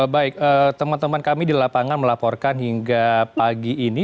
baik teman teman kami di lapangan melaporkan hingga pagi ini